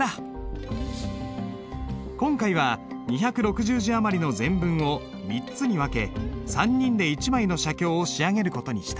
今回は２６０字余りの全文を３つに分け３人で一枚の写経を仕上げる事にした。